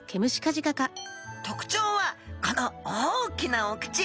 特徴はこの大きなお口。